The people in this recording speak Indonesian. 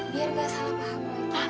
biar gak salah paham